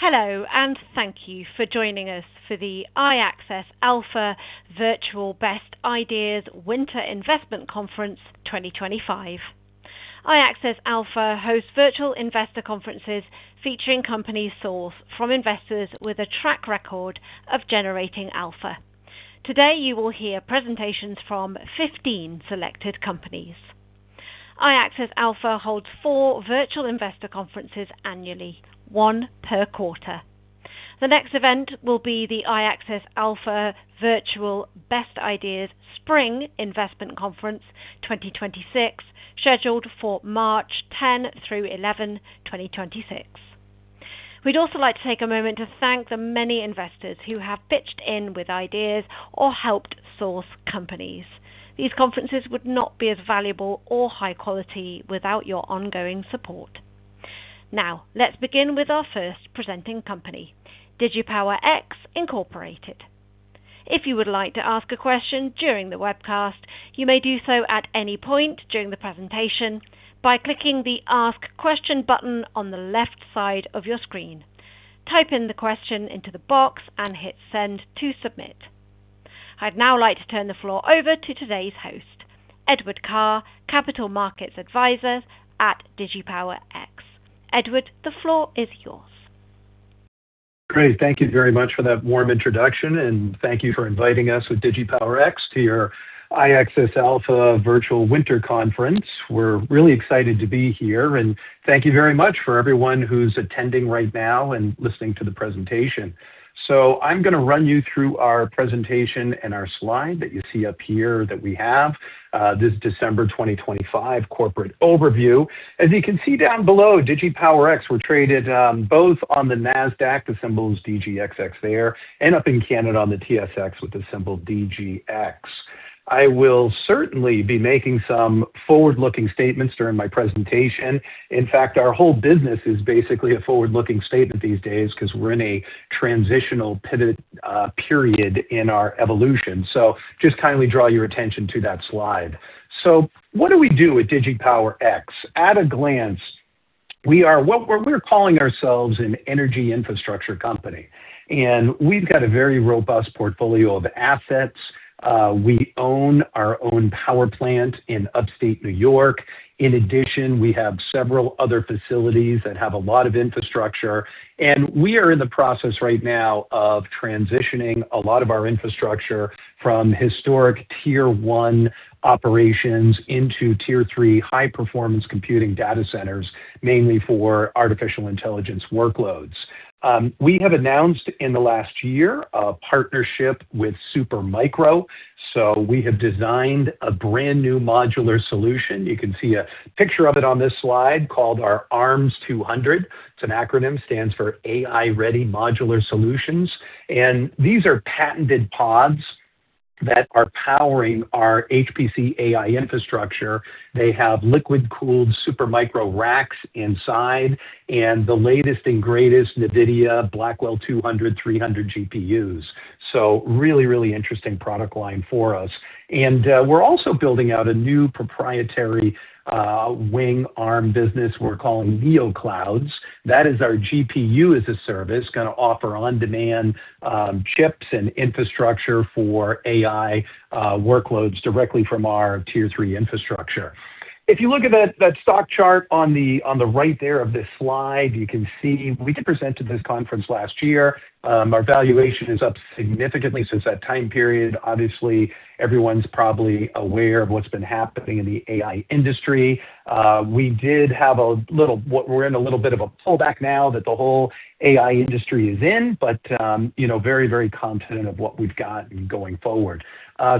Hello, and thank you for joining us for the iAccess Alpha Virtual Best Ideas Winter Investment Conference 2025. iAccess Alpha hosts virtual investor conferences featuring companies sourced from investors with a track record of generating alpha. Today, you will hear presentations from 15 selected companies. iAccess Alpha holds four virtual investor conferences annually, one per quarter. The next event will be the iAccess Alpha Virtual Best Ideas Spring Investment Conference 2026, scheduled for March 10 through 11, 2026. We'd also like to take a moment to thank the many investors who have pitched in with ideas or helped source companies. These conferences would not be as valuable or high-quality without your ongoing support. Now, let's begin with our first presenting company, DigiPower X Incorporated. If you would like to ask a question during the webcast, you may do so at any point during the presentation by clicking the Ask Question button on the left side of your screen. Type in the question into the box and hit Send to submit. I'd now like to turn the floor over to today's host, Edward Karr, Capital Markets Advisor at DigiPower X. Edward, the floor is yours. Great. Thank you very much for that warm introduction, and thank you for inviting us with DigiPower X to your iAccess Alpha Virtual Winter Conference. We're really excited to be here, and thank you very much for everyone who's attending right now and listening to the presentation. So I'm going to run you through our presentation and our slide that you see up here that we have, this December 2025 corporate overview. As you can see down below, DigiPower X, we're traded both on the NASDAQ, the symbol is DGXX there, and up in Canada on the TSX with the symbol DGX. I will certainly be making some forward-looking statements during my presentation. In fact, our whole business is basically a forward-looking statement these days because we're in a transitional period in our evolution. So just kindly draw your attention to that slide. So what do we do at DigiPower X? At a glance, we are what we're calling ourselves an energy infrastructure company, and we've got a very robust portfolio of assets. We own our own power plant in Upstate New York. In addition, we have several other facilities that have a lot of infrastructure, and we are in the process right now of transitioning a lot of our infrastructure from historic Tier 1 operations into Tier 3 high-performance computing data centers, mainly for artificial intelligence workloads. We have announced in the last year a partnership with Supermicro. So we have designed a brand new modular solution. You can see a picture of it on this slide called our ARMS 200. It's an acronym, stands for AI Ready Modular Solutions, and these are patented pods that are powering our HPC AI infrastructure. They have liquid-cooled Supermicro racks inside and the latest and greatest NVIDIA Blackwell B200, B300 GPUs, so really, really interesting product line for us, and we're also building out a new proprietary ARMS business we're calling NeoCloud. That is our GPU as a service, going to offer on-demand chips and infrastructure for AI workloads directly from our Tier 3 infrastructure. If you look at that stock chart on the right there of this slide, you can see we presented at this conference last year. Our valuation is up significantly since that time period. Obviously, everyone's probably aware of what's been happening in the AI industry. We did have a little, we're in a little bit of a pullback now that the whole AI industry is in, but very, very confident of what we've got going forward.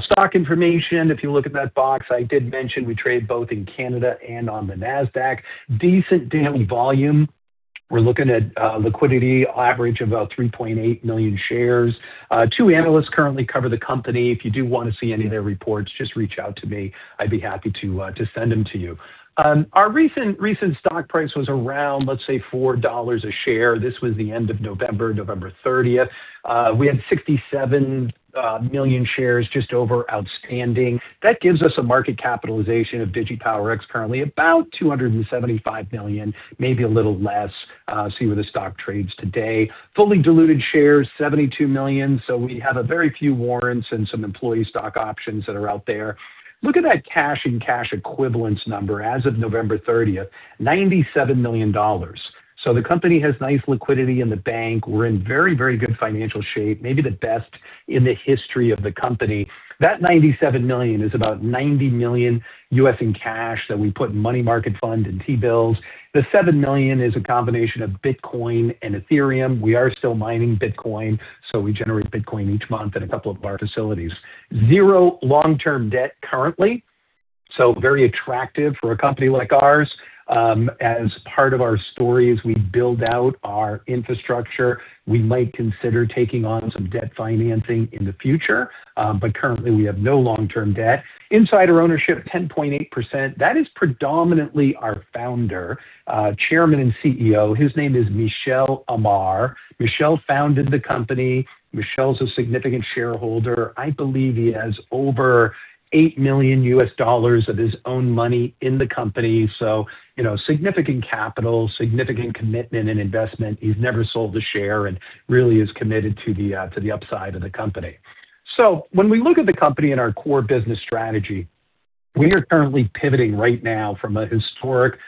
Stock information, if you look at that box, I did mention we trade both in Canada and on the NASDAQ. Decent daily volume. We're looking at liquidity average of about 3.8 million shares. Two analysts currently cover the company. If you do want to see any of their reports, just reach out to me. I'd be happy to send them to you. Our recent stock price was around, let's say, $4 a share. This was the end of November, November 30th. We had 67 million shares, just over outstanding. That gives us a market capitalization of DigiPower X currently about $275 million, maybe a little less. See where the stock trades today. Fully diluted shares, 72 million. So we have very few warrants and some employee stock options that are out there. Look at that cash and cash equivalents number as of November 30th, $97 million. The company has nice liquidity in the bank. We're in very, very good financial shape, maybe the best in the history of the company. That $97 million is about $90 million in cash that we put in money market fund and T-bills. The $7 million is a combination of Bitcoin and Ethereum. We are still mining Bitcoin, so we generate Bitcoin each month at a couple of our facilities. Zero long-term debt currently, so very attractive for a company like ours. As part of our stories, we build out our infrastructure. We might consider taking on some debt financing in the future, but currently we have no long-term debt. Insider ownership, 10.8%. That is predominantly our Founder, Chairman, and CEO. His name is Michel Amar. Michel founded the company. Michel's a significant shareholder. I believe he has over $8 million of his own money in the company, so significant capital, significant commitment and investment. He's never sold a share and really is committed to the upside of the company, so when we look at the company and our core business strategy, we are currently pivoting right now from a historic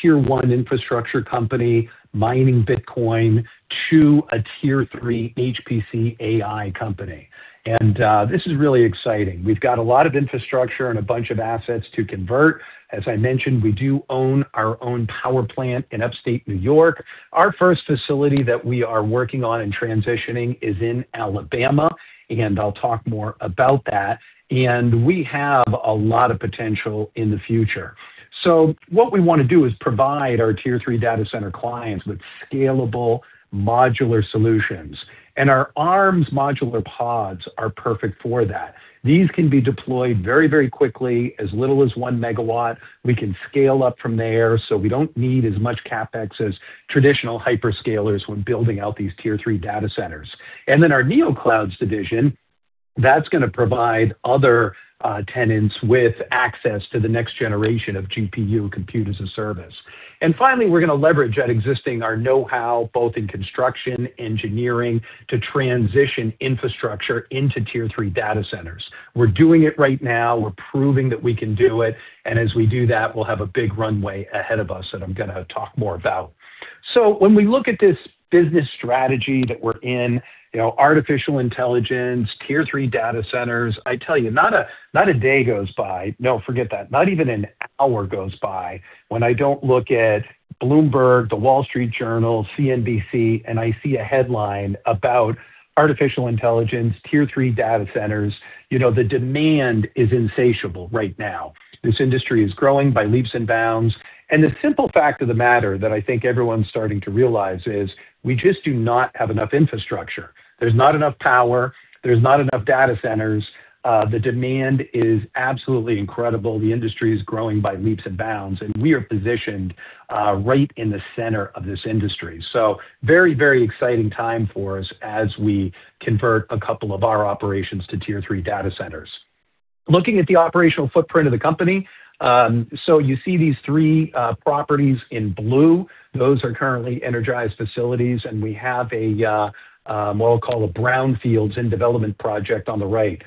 Tier 1 infrastructure company mining Bitcoin to a Tier 3 HPC AI company, and this is really exciting. We've got a lot of infrastructure and a bunch of assets to convert. As I mentioned, we do own our own power plant in Upstate New York. Our first facility that we are working on and transitioning is in Alabama, and I'll talk more about that, and we have a lot of potential in the future. What we want to do is provide our Tier 3 data center clients with scalable modular solutions, and our ARMS modular pods are perfect for that. These can be deployed very, very quickly, as little as 1MW. We can scale up from there, so we don't need as much CapEx as traditional hyperscalers when building out these Tier 3 data centers. And then our NeoCloud division, that's going to provide other tenants with access to the next generation of GPU computers as a service. And finally, we're going to leverage our existing know-how, both in construction, engineering, to transition infrastructure into Tier 3 data centers. We're doing it right now. We're proving that we can do it. And as we do that, we'll have a big runway ahead of us that I'm going to talk more about. So when we look at this business strategy that we're in, artificial intelligence, Tier 3 data centers, I tell you, not a day goes by. No, forget that. Not even an hour goes by when I don't look at Bloomberg, The Wall Street Journal, CNBC, and I see a headline about artificial intelligence, Tier 3 data centers. The demand is insatiable right now. This industry is growing by leaps and bounds. And the simple fact of the matter that I think everyone's starting to realize is we just do not have enough infrastructure. There's not enough power. There's not enough data centers. The demand is absolutely incredible. The industry is growing by leaps and bounds, and we are positioned right in the center of this industry. So very, very exciting time for us as we convert a couple of our operations to Tier 3 data centers. Looking at the operational footprint of the company, so you see these three properties in blue. Those are currently energized facilities, and we have what I'll call a brownfields in development project on the right.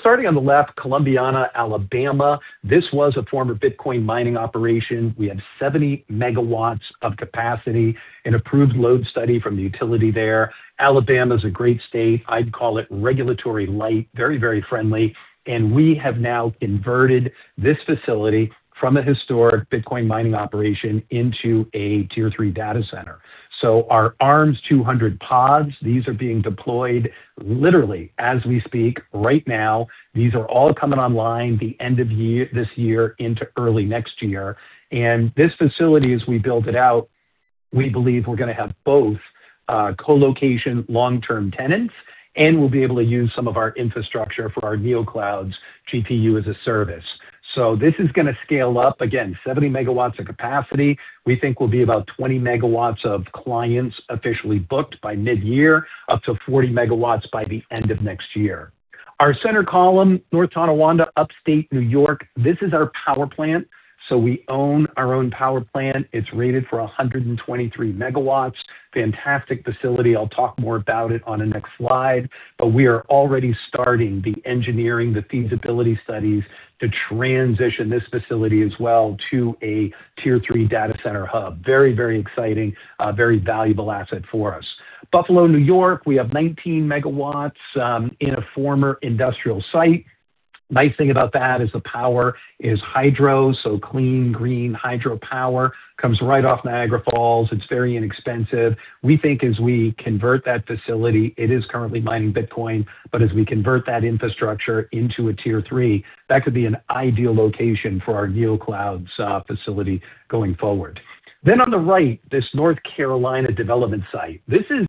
Starting on the left, Columbiana, Alabama. This was a former Bitcoin mining operation. We had 70MW of capacity, an approved load study from the utility there. Alabama is a great state. I'd call it regulatory light, very, very friendly. We have now converted this facility from a historic Bitcoin mining operation into a Tier 3 data center. Our ARMS 200 pods, these are being deployed literally as we speak right now. These are all coming online the end of this year into early next year. This facility, as we build it out, we believe we're going to have both colocation long-term tenants, and we'll be able to use some of our infrastructure for our NeoCloud GPU as a service. This is going to scale up again, 70MW of capacity. We think we'll be about 20MW of clients officially booked by mid-year, up to 40MW by the end of next year. Our center column, North Tonawanda, upstate New York, this is our power plant. We own our own power plant. It's rated for 123MW. Fantastic facility. I'll talk more about it on the next slide, but we are already starting the engineering, the feasibility studies to transition this facility as well to a Tier 3 data center hub. Very, very exciting, very valuable asset for us. Buffalo, New York, we have 19MW in a former industrial site. Nice thing about that is the power is hydro, so clean green hydro power comes right off Niagara Falls. It's very inexpensive. We think as we convert that facility, it is currently mining Bitcoin, but as we convert that infrastructure into a Tier 3, that could be an ideal location for our NeoCloud facility going forward. Then on the right, this North Carolina development site. This is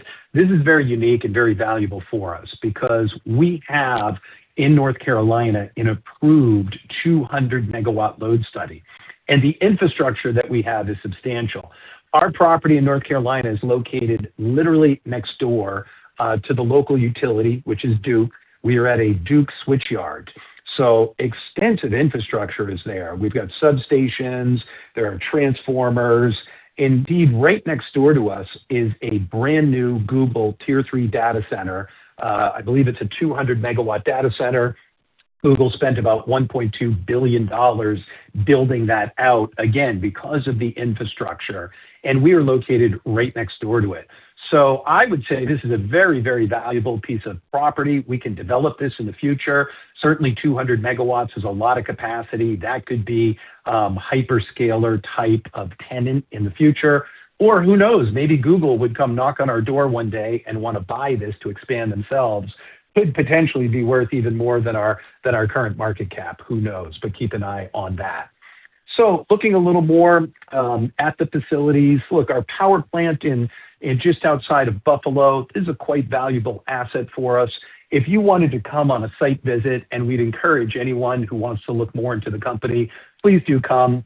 very unique and very valuable for us because we have in North Carolina an approved 200MW load study, and the infrastructure that we have is substantial. Our property in North Carolina is located literally next door to the local utility, which is Duke. We are at a Duke switchyard. So extensive infrastructure is there. We've got substations. There are transformers. Indeed, right next door to us is a brand new Google Tier 3 data center. I believe it's a 200MW data center. Google spent about $1.2 billion building that out, again, because of the infrastructure, and we are located right next door to it, so I would say this is a very, very valuable piece of property. We can develop this in the future. Certainly, 200MW is a lot of capacity. That could be hyperscaler type of tenant in the future or who knows, maybe Google would come knock on our door one day and want to buy this to expand themselves. Could potentially be worth even more than our current market cap. Who knows, but keep an eye on that, so looking a little more at the facilities, look, our power plant just outside of Buffalo is a quite valuable asset for us. If you wanted to come on a site visit, and we'd encourage anyone who wants to look more into the company, please do come.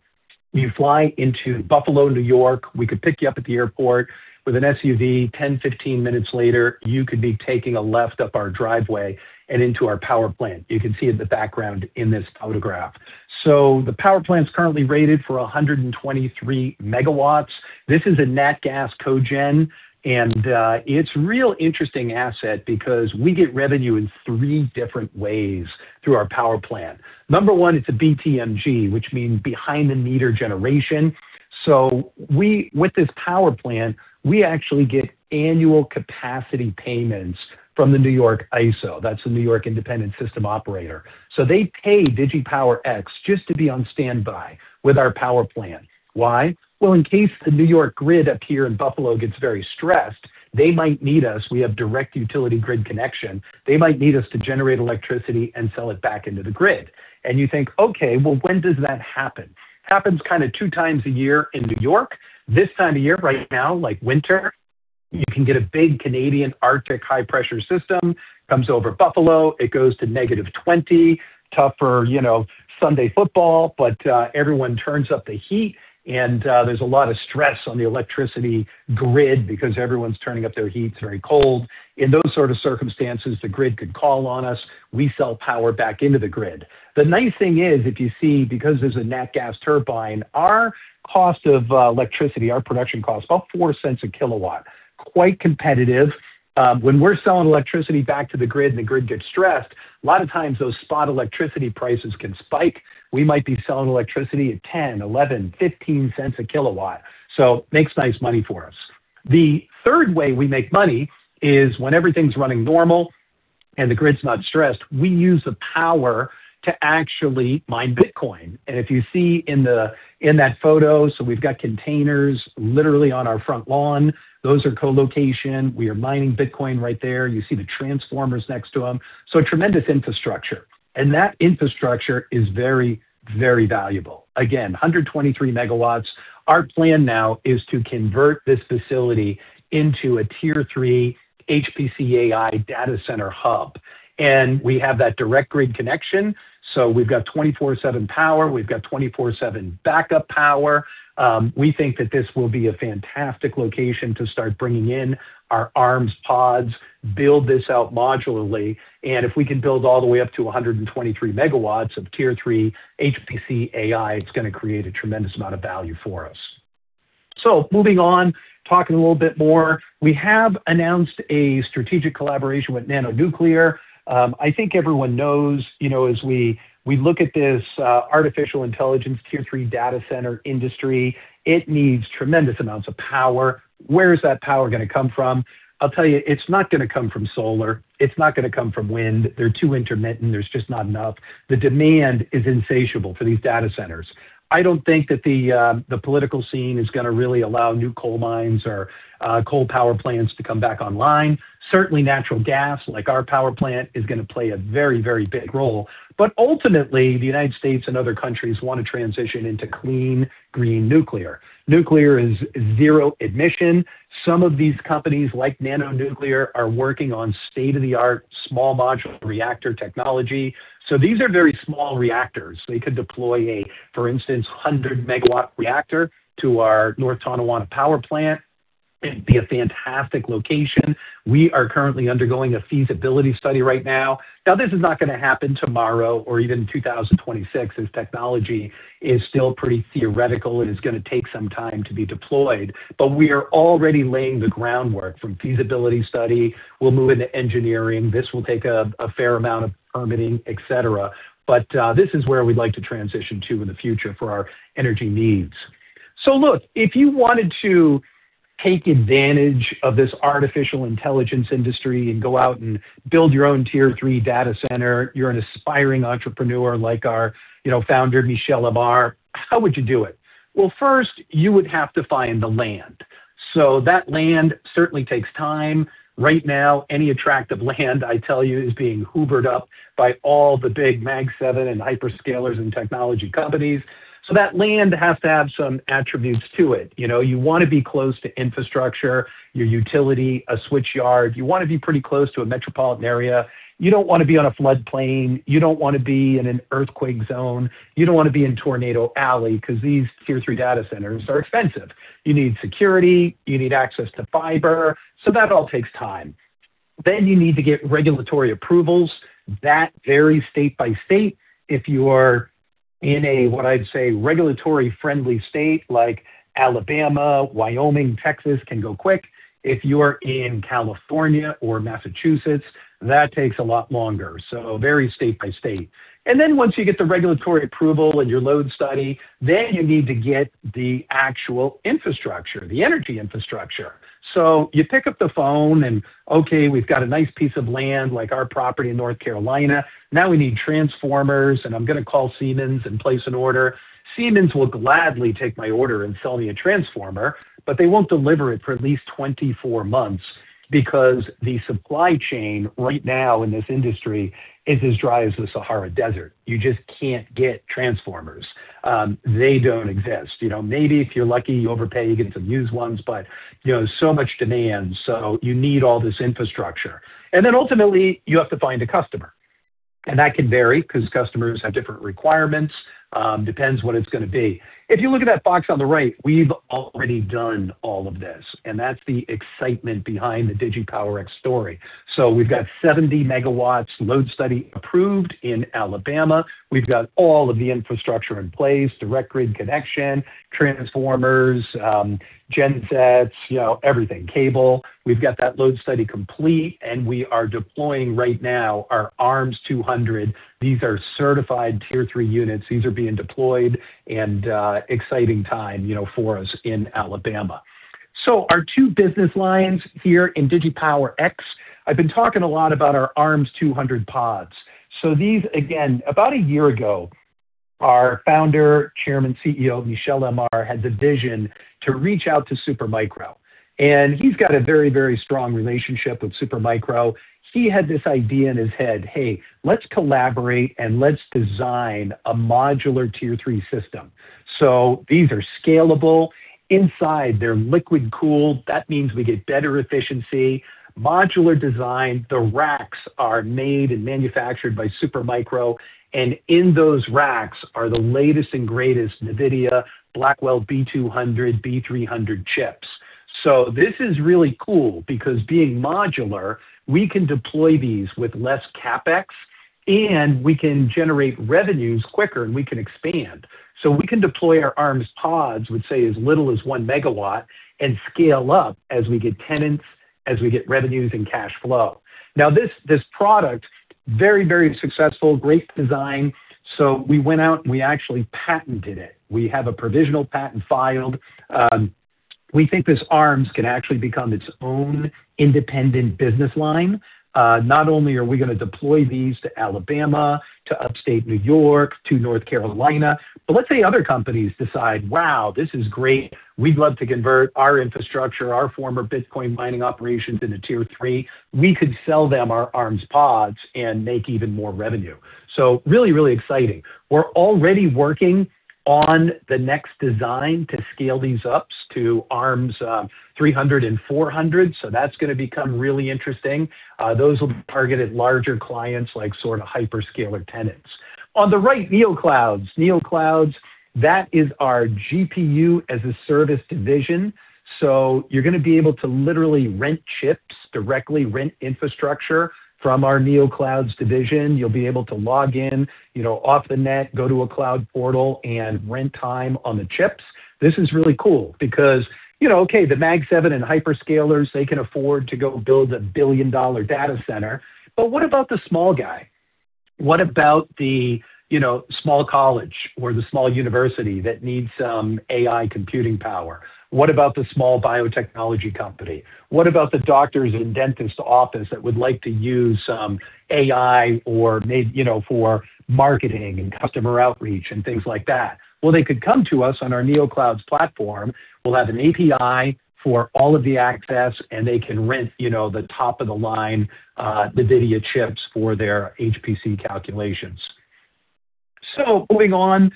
You fly into Buffalo, New York. We could pick you up at the airport with an SUV. 10, 15 minutes later, you could be taking a left up our driveway and into our power plant. You can see it in the background in this photograph. So the power plant's currently rated for 123MW. This is a natural gas cogen, and it's a real interesting asset because we get revenue in three different ways through our power plant. Number one, it's a BTMG, which means behind-the-meter generation. So with this power plant, we actually get annual capacity payments from the New York ISO. That's the New York Independent System Operator. So they pay DigiPower X just to be on standby with our power plant. Why? In case the New York grid up here in Buffalo gets very stressed, they might need us. We have direct utility grid connection. They might need us to generate electricity and sell it back into the grid. And you think, okay, well, when does that happen? Happens kind of two times a year in New York. This time of year right now, like winter, you can get a big Canadian Arctic high-pressure system. Comes over Buffalo. It goes to -20 degrees Fahrenheit, tough for Sunday football, but everyone turns up the heat, and there's a lot of stress on the electricity grid because everyone's turning up their heat. It's very cold. In those sort of circumstances, the grid could call on us. We sell power back into the grid. The nice thing is, if you see, because there's a natural gas turbine, our cost of electricity, our production cost, about $0.04 a kilowatt, quite competitive. When we're selling electricity back to the grid and the grid gets stressed, a lot of times those spot electricity prices can spike. We might be selling electricity at $0.10, $0.11, $0.15 a kilowatt, so it makes nice money for us. The third way we make money is when everything's running normal and the grid's not stressed, we use the power to actually mine Bitcoin. And if you see in that photo, so we've got containers literally on our front lawn. Those are colocation. We are mining Bitcoin right there. You see the transformers next to them, so tremendous infrastructure. And that infrastructure is very, very valuable, again, 123MW. Our plan now is to convert this facility into a Tier 3 HPC AI data center hub. And we have that direct grid connection. So we've got 24/7 power. We've got 24/7 backup power. We think that this will be a fantastic location to start bringing in our ARMS pods, build this out modularly. And if we can build all the way up to 123MW of Tier 3 HPC AI, it's going to create a tremendous amount of value for us. So moving on, talking a little bit more, we have announced a strategic collaboration with NANO Nuclear. I think everyone knows as we look at this artificial intelligence Tier 3 data center industry, it needs tremendous amounts of power. Where is that power going to come from? I'll tell you, it's not going to come from solar. It's not going to come from wind. They're too intermittent. There's just not enough. The demand is insatiable for these data centers. I don't think that the political scene is going to really allow new coal mines or coal power plants to come back online. Certainly, natural gas like our power plant is going to play a very, very big role. But ultimately, the United States and other countries want to transition into clean green nuclear. Nuclear is zero emission. Some of these companies like NANO Nuclear are working on state-of-the-art small modular reactor technology. So these are very small reactors. They could deploy a, for instance, 100MW reactor to our North Tonawanda power plant. It'd be a fantastic location. We are currently undergoing a feasibility study right now. Now, this is not going to happen tomorrow or even in 2026 as technology is still pretty theoretical and is going to take some time to be deployed. But we are already laying the groundwork from feasibility study. We'll move into engineering. This will take a fair amount of permitting, etc. But this is where we'd like to transition to in the future for our energy needs. So look, if you wanted to take advantage of this artificial intelligence industry and go out and build your own Tier 3 data center, you're an aspiring entrepreneur like our founder, Michel Amar, how would you do it? Well, first, you would have to find the land. So that land certainly takes time. Right now, any attractive land, I tell you, is being hoovered up by all the big Mag 7 and hyperscalers and technology companies. So that land has to have some attributes to it. You want to be close to infrastructure, your utility, a switchyard. You want to be pretty close to a metropolitan area. You don't want to be on a floodplain. You don't want to be in an earthquake zone. You don't want to be in tornado alley because these Tier 3 data centers are expensive. You need security. You need access to fiber. So that all takes time. Then you need to get regulatory approvals. That varies state by state. If you are in a, what I'd say, regulatory-friendly state like Alabama, Wyoming, Texas can go quick. If you're in California or Massachusetts, that takes a lot longer. So very state by state. And then once you get the regulatory approval and your load study, then you need to get the actual infrastructure, the energy infrastructure. So you pick up the phone and, okay, we've got a nice piece of land like our property in North Carolina. Now we need transformers, and I'm going to call Siemens and place an order. Siemens will gladly take my order and sell me a transformer, but they won't deliver it for at least 24 months because the supply chain right now in this industry is as dry as the Sahara Desert. You just can't get transformers. They don't exist. Maybe if you're lucky, you overpay, you get some used ones, but so much demand. So you need all this infrastructure. And then ultimately, you have to find a customer. And that can vary because customers have different requirements. Depends what it's going to be. If you look at that box on the right, we've already done all of this. And that's the excitement behind the DigiPower X story. So we've got 70MW load study approved in Alabama. We've got all of the infrastructure in place, direct grid connection, transformers, gensets, everything, cable. We've got that load study complete, and we are deploying right now our ARMS 200. These are certified Tier 3 units. These are being deployed and exciting time for us in Alabama. So our two business lines here in DigiPower X, I've been talking a lot about our ARMS 200 pods. So these, again, about a year ago, our founder, chairman, CEO, Michel Amar had the vision to reach out to Supermicro. And he's got a very, very strong relationship with Supermicro. He had this idea in his head, "Hey, let's collaborate and let's design a modular Tier 3 system." So these are scalable. Inside, they're liquid-cooled. That means we get better efficiency. Modular design, the racks are made and manufactured by Supermicro. And in those racks are the latest and greatest NVIDIA Blackwell B200, B300 chips. This is really cool because being modular, we can deploy these with less CapEx, and we can generate revenues quicker, and we can expand. We can deploy our ARMS pods, would say as little as one megawatt, and scale up as we get tenants, as we get revenues and cash flow. Now, this product, very, very successful, great design. We went out and we actually patented it. We have a provisional patent filed. We think this ARMS can actually become its own independent business line. Not only are we going to deploy these to Alabama, to upstate New York, to North Carolina, but let's say other companies decide, "Wow, this is great. We'd love to convert our infrastructure, our former Bitcoin mining operations into Tier 3." We could sell them our ARMS pods and make even more revenue. Really, really exciting. We're already working on the next design to scale these up to ARMS 300 and ARMS 400. So that's going to become really interesting. Those will be targeted larger clients like sort of hyperscaler tenants. On the right, NeoCloud. NeoCloud, that is our GPU as a service division. So you're going to be able to literally rent chips directly, rent infrastructure from our NeoCloud division. You'll be able to log in off the net, go to a cloud portal, and rent time on the chips. This is really cool because, okay, the Mag 7 and hyperscalers, they can afford to go build a $1 billion data center. But what about the small guy? What about the small college or the small university that needs some AI computing power? What about the small biotechnology company? What about the doctor's and dentist's office that would like to use some AI for marketing and customer outreach and things like that? Well, they could come to us on our NeoCloud platform. We'll have an API for all of the access, and they can rent the top-of-the-line NVIDIA chips for their HPC calculations. So moving on,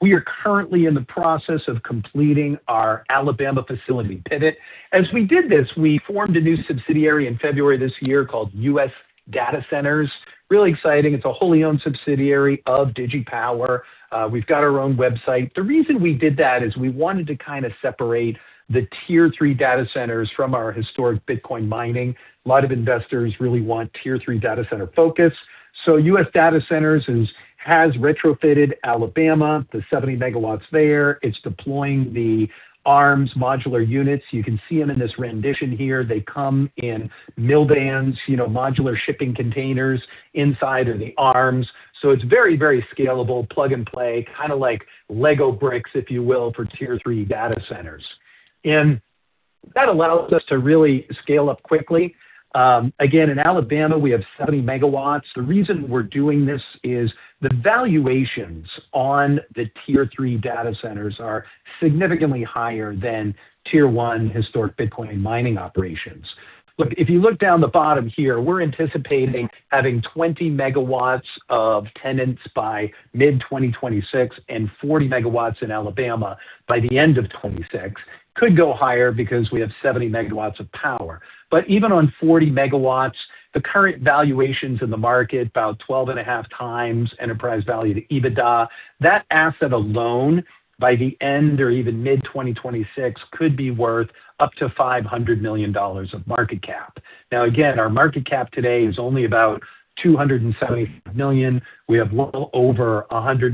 we are currently in the process of completing our Alabama facility pivot. As we did this, we formed a new subsidiary in February this year called US Data Centers. Really exciting. It's a wholly owned subsidiary of DigiPower X. We've got our own website. The reason we did that is we wanted to kind of separate the Tier 3 data centers from our historic Bitcoin mining. A lot of investors really want Tier 3 data center focus. So US Data Centers has retrofitted Alabama, the 70MW there. It's deploying the ARMS modular units. You can see them in this rendition here. They come in MW bands, modular shipping containers inside of the ARMS. So it's very, very scalable, plug and play, kind of like Lego bricks, if you will, for Tier 3 data centers, and that allows us to really scale up quickly. Again, in Alabama, we have 70MW. The reason we're doing this is the valuations on the Tier 3 data centers are significantly higher than Tier 1 historic Bitcoin mining operations. Look, if you look down the bottom here, we're anticipating having 20MW of tenants by mid-2026 and 40MW in Alabama by the end of 2026. Could go higher because we have 70MW of power. But even on 40MW, the current valuations in the market, about 12.5x enterprise value to EBITDA, that asset alone by the end or even mid-2026 could be worth up to $500 million of market cap. Now, again, our market cap today is only about $275 million. We have well over approximately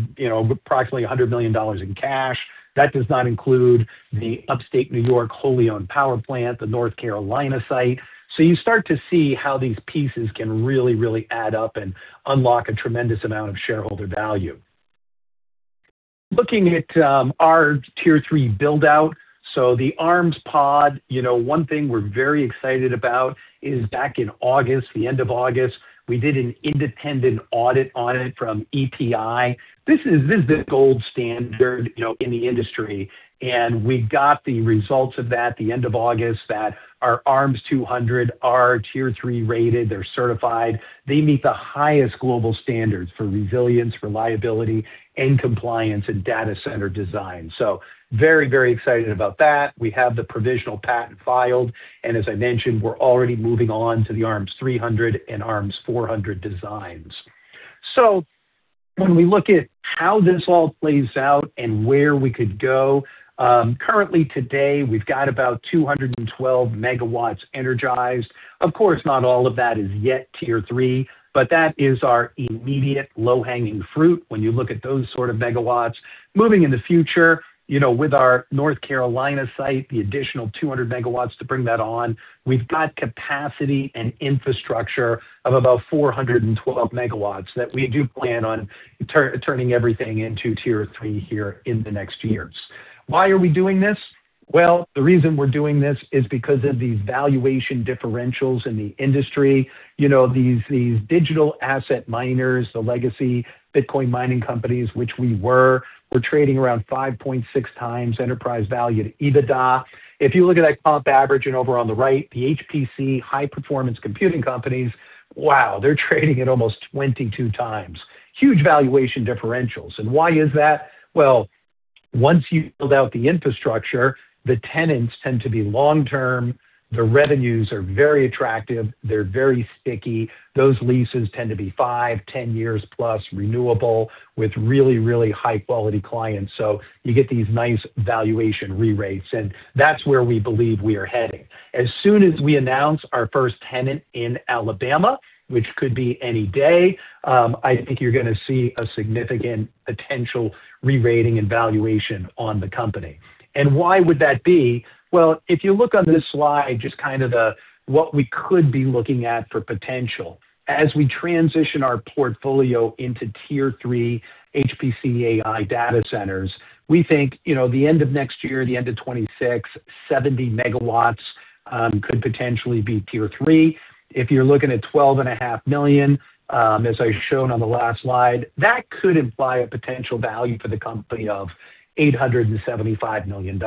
$100 million in cash. That does not include the upstate New York wholly owned power plant, the North Carolina site. So you start to see how these pieces can really, really add up and unlock a tremendous amount of shareholder value. Looking at our Tier 3 buildout, so the ARMS pod, one thing we're very excited about is back in August, the end of August, we did an independent audit on it from EPI. This is the gold standard in the industry. We got the results of that at the end of August that our ARMS 200 are Tier 3 rated. They're certified. They meet the highest global standards for resilience, reliability, and compliance in data center design. Very, very excited about that. We have the provisional patent filed. As I mentioned, we're already moving on to the ARMS 300 and ARMS 400 designs. When we look at how this all plays out and where we could go, currently today, we've got about 212 megawatts energized. Of course, not all of that is yet Tier 3, but that is our immediate low-hanging fruit when you look at those sort of megawatts. Moving in the future, with our North Carolina site, the additional 200MW to bring that on, we've got capacity and infrastructure of about 412 megawatts that we do plan on turning everything into Tier 3 here in the next years. Why are we doing this? Well, the reason we're doing this is because of these valuation differentials in the industry. These digital asset miners, the legacy Bitcoin mining companies, which we were, we're trading around 5.6x enterprise value to EBITDA. If you look at that comp average and over on the right, the HPC, high-performance computing companies, wow, they're trading at almost 22x. Huge valuation differentials. And why is that? Well, once you build out the infrastructure, the tenants tend to be long-term. The revenues are very attractive. They're very sticky. Those leases tend to be five, 10+ years renewable with really, really high-quality clients. So you get these nice valuation re-rates. And that's where we believe we are heading. As soon as we announce our first tenant in Alabama, which could be any day, I think you're going to see a significant potential re-rating and valuation on the company. Why would that be? If you look on this slide, just kind of what we could be looking at for potential as we transition our portfolio into Tier 3 HPC AI data centers, we think the end of next year, the end of 2026, 70MW could potentially be Tier 3. If you're looking at $12.5 million, as I showed on the last slide, that could imply a potential value for the company of $875 million.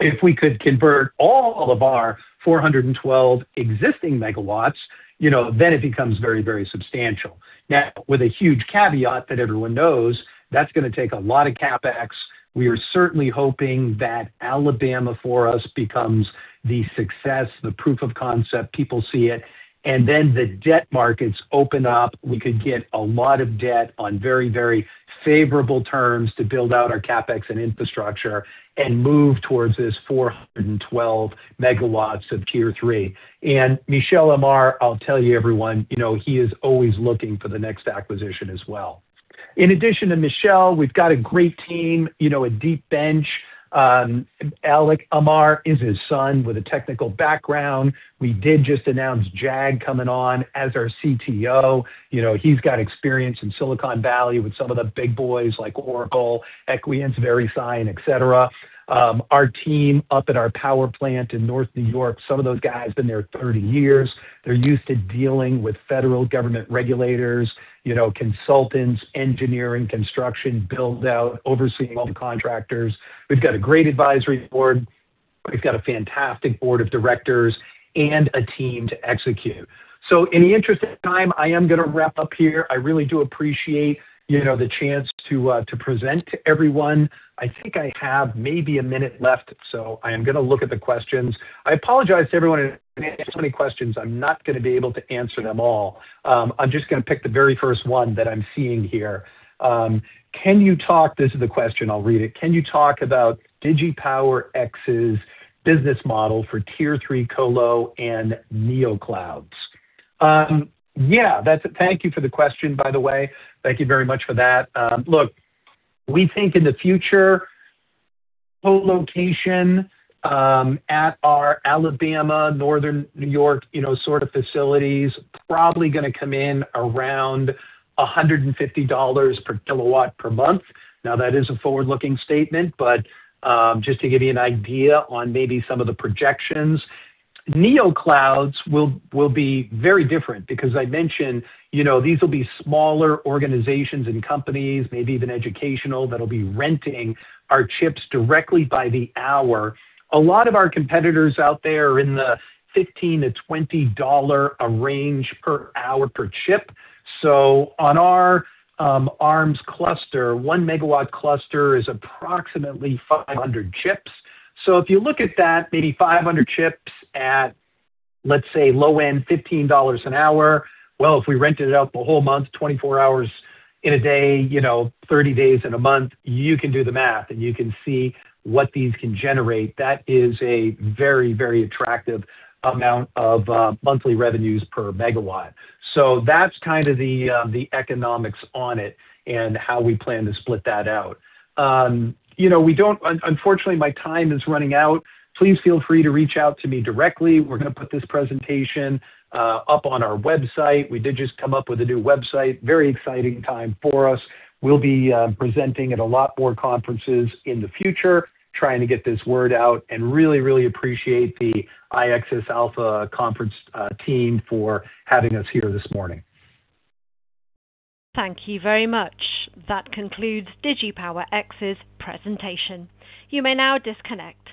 If we could convert all of our 412 existing MW, then it becomes very, very substantial. Now, with a huge caveat that everyone knows, that's going to take a lot of CapEx. We are certainly hoping that Alabama for us becomes the success, the proof of concept. People see it, and then the debt markets open up. We could get a lot of debt on very, very favorable terms to build out our CapEx and infrastructure and move towards this 412MW of Tier 3, and Michel Amar, I'll tell you, everyone, he is always looking for the next acquisition as well. In addition to Michel, we've got a great team, a deep bench. Alec Amar is his son with a technical background. We did just announce Jag coming on as our CTO. He's got experience in Silicon Valley with some of the big boys like Oracle, Equinix, Verisign, etc. Our team up at our power plant in northern New York, some of those guys have been there 30 years. They're used to dealing with federal government regulators, consultants, engineering, construction, buildout, overseeing all the contractors. We've got a great advisory board. We've got a fantastic board of directors and a team to execute so in the interest of time, I am going to wrap up here. I really do appreciate the chance to present to everyone. I think I have maybe a minute left, so I am going to look at the questions. I apologize to everyone if I answer too many questions. I'm not going to be able to answer them all. I'm just going to pick the very first one that I'm seeing here. Can you talk, this is the question. I'll read it. Can you talk about DigiPower X's business model for Tier 3 colo and NeoCloud? Yeah. Thank you for the question, by the way. Thank you very much for that. Look, we think in the future, colocation at our Alabama, Northern New York sort of facilities is probably going to come in around $150 per kW per month. Now, that is a forward-looking statement, but just to give you an idea on maybe some of the projections, NeoCloud will be very different because I mentioned these will be smaller organizations and companies, maybe even educational, that will be renting our chips directly by the hour. A lot of our competitors out there are in the $15-$20 range per hour per chip. So on our ARMS cluster, one megawatt cluster is approximately 500 chips. So if you look at that, maybe 500 chips at, let's say, low-end $15 an hour. Well, if we rented out the whole month, 24 hours in a day, 30 days in a month, you can do the math and you can see what these can generate. That is a very, very attractive amount of monthly revenues per megawatt. So that's kind of the economics on it and how we plan to split that out. Unfortunately, my time is running out. Please feel free to reach out to me directly. We're going to put this presentation up on our website. We did just come up with a new website. Very exciting time for us. We'll be presenting at a lot more conferences in the future, trying to get this word out and really, really appreciate the iAccess Alpha conference team for having us here this morning. Thank you very much. That concludes DigiPower X's presentation. You may now disconnect.